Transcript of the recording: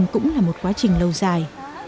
cũng là một quá trình lâu dài